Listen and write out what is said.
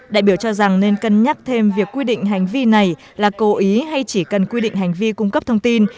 đại biểu cho rằng nên cân nhắc thêm việc quy định hành vi này là cố ý hay chỉ cần quy định hành vi cung cấp thông tin